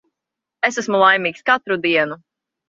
Es esmu laimīgs katru dienu.